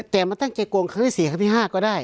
แต่มันตั้งใจโกงครั้งที่๔ครั้งที่๕ก็ได้